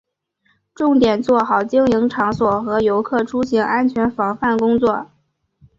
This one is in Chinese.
重点做好经营场所和游客出行安全防范工作